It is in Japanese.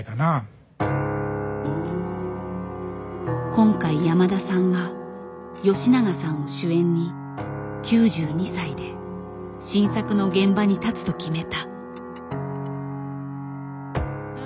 今回山田さんは吉永さんを主演に９２歳で新作の現場に立つと決めた。